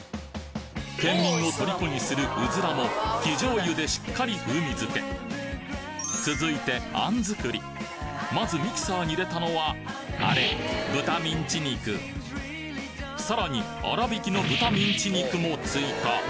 県民を虜にするうずらも生醤油でしっかり風味付け続いて餡作りまずミキサーに入れたのはあれさらに粗挽きの豚ミンチ肉も追加